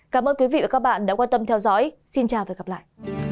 cảm ơn quý vị và các bạn đã quan tâm theo dõi xin chào và hẹn gặp lại